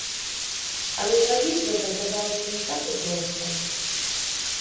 Але зрабіць гэта аказалася не так і проста.